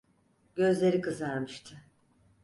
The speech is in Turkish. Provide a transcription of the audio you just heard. Gözleri kızarmıştı.